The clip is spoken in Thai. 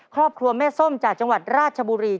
ครอบครัวแม่ส้มจากจังหวัดราชบุรี